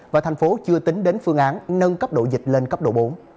và thành phố chưa tính đến phương án nâng cấp độ dịch lên cấp độ bốn